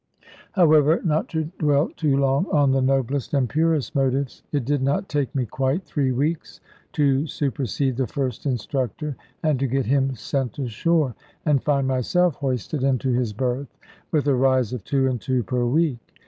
However, not to dwell too long on the noblest and purest motives, it did not take me quite three weeks to supersede the first instructor, and to get him sent ashore, and find myself hoisted into his berth, with a rise of two and two per week.